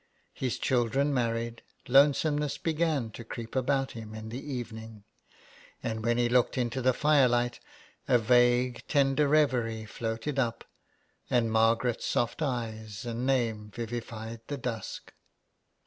His children married, lonesomeness began to creep about him in the evening and when he looked into the fire light, a vague, tender reverie floated up, and Margaret's soft eyes and name vivified the dusk.